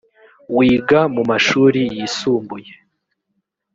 wiga mu mashuri yisumbuye